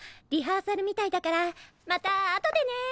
リハーサルみたいだからまた後でね。